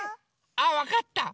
あわかった！